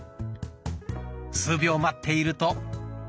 数秒待っていると。